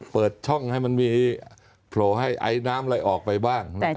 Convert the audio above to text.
เปิดช่องให้มันมีโผล่ให้ไอน้ำอะไรออกไปบ้าง